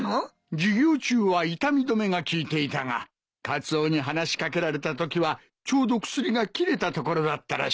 授業中は痛み止めが効いていたがカツオに話し掛けられたときはちょうど薬が切れたところだったらしい。